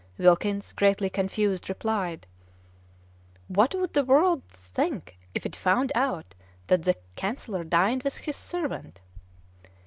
Wilkins, greatly confused, replied, "What would the world think if it found out that the chancellor dined with his servant?"